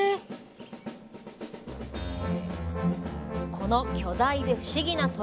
この巨大で不思議な鳥！